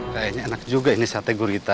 kayaknya enak juga ini sate gurita